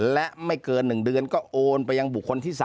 และไม่เกิน๑เดือนก็โอนไปยังบุคคลที่๓